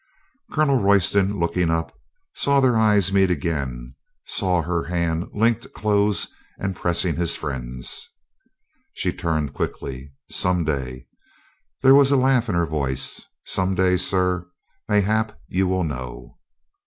Colonel Royston, looking up, saw their eyes meet again, saw her hand linked close and pressing his friend's. She turned quickly. "Some day," there was a laugh in her voice, "some day, sir, mayhap you will know."